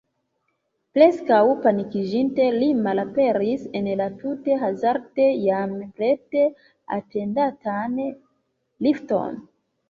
Preskaŭ panikiĝinte, li malaperis en la tute hazarde jam prete atendantan lifton.